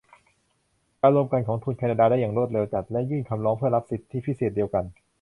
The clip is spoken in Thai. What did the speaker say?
การรวมกันของทุนแคนาดาได้อย่างรวดเร็วจัดและยื่นคำร้องเพื่อรับสิทธิพิเศษเดียวกัน